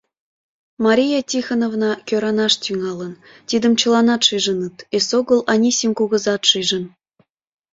Мария Тихоновна кӧранаш тӱҥалын — тидым чыланат шижыныт, эсогыл Анисим кугызат шижын.